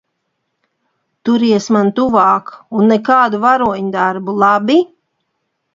Turies man tuvāk un nekādu varoņdarbu, labi?